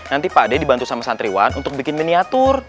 nanti pak ade dibantu sama santriwan untuk bikin miniatur